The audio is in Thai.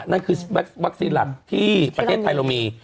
นั่นคือวัคซีนหลักที่ประเทศไทยเรามี